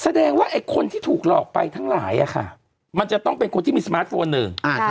แสดงว่าไอ้คนที่ถูกหลอกไปทั้งหลายมันจะต้องเป็นคนที่มีสมาร์ทโฟนหนึ่ง